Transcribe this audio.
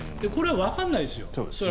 これはわからないですよ。